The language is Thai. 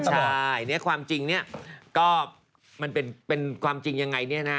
ใช่เนี่ยความจริงเนี่ยก็มันเป็นความจริงยังไงเนี่ยนะ